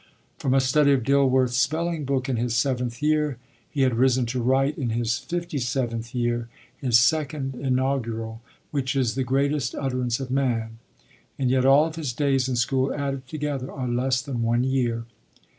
From a study of "Dilworth's Spelling Book" in his seventh year, he had risen to write, in his fifty seventh year, his second Inaugural, which is the greatest utterance of man, and yet all of his days in school added together are less than one year.